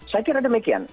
saya kira demikian